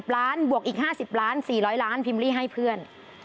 ล้านบวกอีก๕๐ล้าน๔๐๐ล้านพิมพ์ลี่ให้เพื่อน